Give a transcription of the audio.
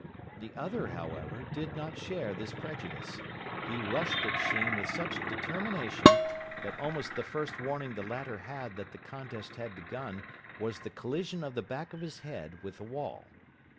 The other, however, did not share this prejudice. He rushed at Sheen with such determination, that almost the first warning the latter had that the contest had begun was the collision of the back of his head with the wall.